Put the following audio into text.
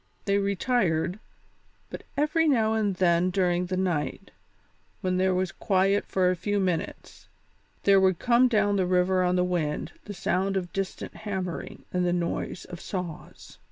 They retired, but every now and then during the night, when there was quiet for a few minutes, there would come down the river on the wind the sound of distant hammering and the noise of saws.